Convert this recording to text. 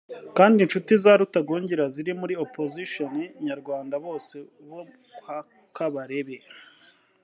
Kandi inshuti za Rutagungira ziri muri opposition nyarwanda bose bo kwa Kabarebe